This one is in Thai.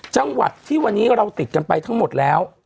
จังหวัดที่วันนี้เราติดกันไปทั้งหมดแล้ว